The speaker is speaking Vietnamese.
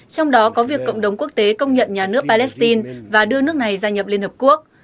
trong đó có việc cộng đồng quốc tế công nhận nhà nước palestine và đưa nước này gia nhập liên hợp quốc